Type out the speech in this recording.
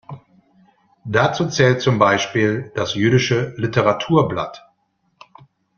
Dazu zählt zum Beispiel das Jüdische Litteratur-Blatt.